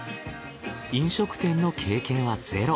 飲食店の経験はゼロ。